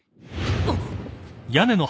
あっ！？